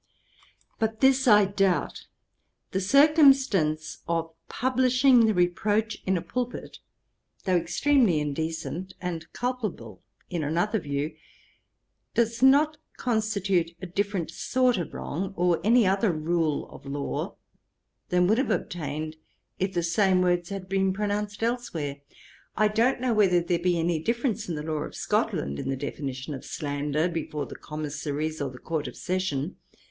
But this I doubt. The circumstance of publishing the reproach in a pulpit, though extremely indecent, and culpable in another view, does not constitute a different sort of wrong, or any other rule of law, than would have obtained, if the same words had been pronounced elsewhere. I don't know whether there be any difference in the law of Scotland, in the definition of slander, before the Commissaries, or the Court of Session.